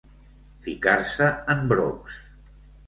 Ficar-se en brocs.